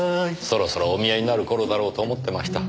そろそろお見えになる頃だろうと思ってました。